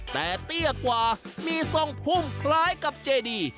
แต่เตี้ยกว่ามีทรงพุ่มคล้ายกับเจดี